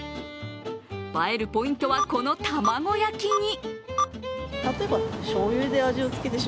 映えるポイントはこの卵焼きに。